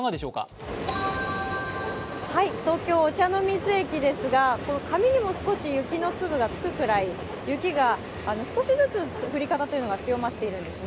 東京・お茶の水駅ですが髪にも雪の粒がつくくらい少しずつ降り方が強まっているんですね。